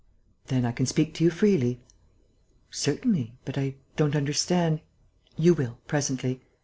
"Then I can speak to you freely?" "Certainly, but I don't understand...." "You will, presently.